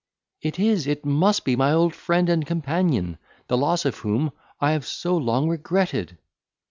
It is, it must be my old friend and companion, the loss of whom I have so long regretted!"